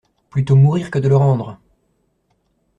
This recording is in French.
Plutôt mourir que de le rendre!